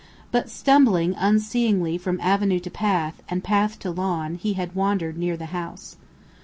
But stumbling unseeingly from avenue to path, and path to lawn, he had wandered near the house.